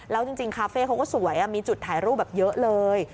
แล้วจริงคาเฟ่เขาก็สวยมีจุดถ่ายรูปแบบเยอะเลย